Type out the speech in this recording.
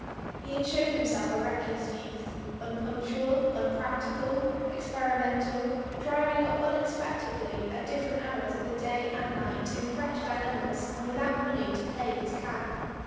He had shown him self a reckless youth, unpunctual, unpractical, expe rimental, driving up unexpectedly at different hours of the day and night in fresh dilemmas, and with out money to pay his cab.